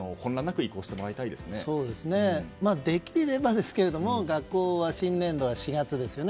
まあ、できればですけれども学校は新年度は４月ですよね。